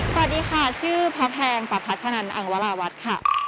สวัสดีค่ะชื่อพระแพงประพัชนันอังวราวัฒน์ค่ะ